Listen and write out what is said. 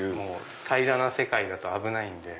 平らな世界だと危ないんで。